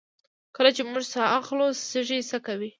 کله چې موږ ساه اخلو سږي څه کوي